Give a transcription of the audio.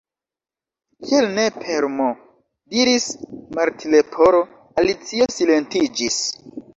"Kial ne per M?" diris la Martleporo. Alicio silentiĝis.